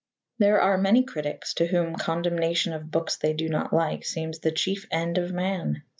There are many critics to whom condemnation of books they do not like seems the chief end of man.